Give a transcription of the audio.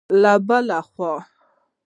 له بلې خوا